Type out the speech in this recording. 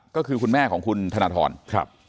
ก็คือคุณแม่ของคุณธนทรครับ